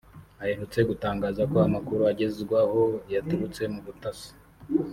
aherutse gutangaza ko amakuru agezwaho yaturutse mu butasi